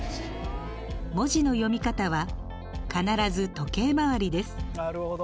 文字の読み方は必ず時計回りです。